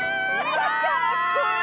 かっこいい！